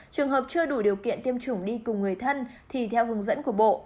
trường hợp chưa đủ điều kiện tiêm chủng đi cùng người thân thì theo hướng dẫn của bộ